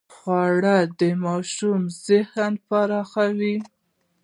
خوړل د ماشوم ذهن پراخوي